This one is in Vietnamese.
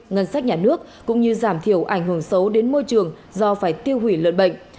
ngân sách nhà nước cũng như giảm thiểu ảnh hưởng xấu đến môi trường do phải tiêu hủy lợn bệnh